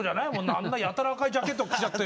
あんなやたら赤いジャケット着ちゃって。